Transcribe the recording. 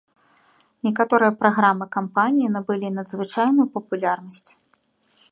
Некаторыя праграмы кампаніі набылі надзвычайную папулярнасць.